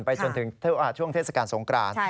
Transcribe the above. จนถึงช่วงเทศกาลสงคราน